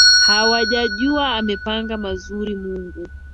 Hawajajua amepanga mazuri Mungu